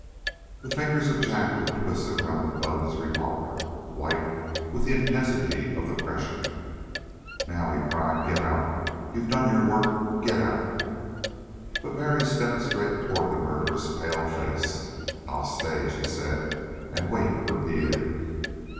The fingers of Jack were twisted around the butt of his revolver, white with the intensity of the pressure. Now he cried: "Get out! You've done your work; get out!" But Mary stepped straight toward the murderous, pale face. "I'll stay," she said, "and wait for Pierre."